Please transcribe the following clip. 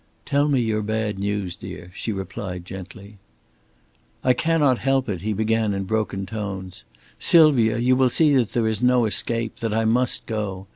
"Tell me your bad news, dear," she replied, gently. "I cannot help it," he began in broken tones. "Sylvia, you will see that there is no escape, that I must go.